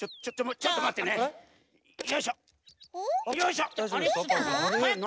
ちょっとまってよ。